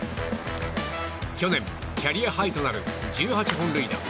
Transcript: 去年、キャリアハイとなる１８本塁打。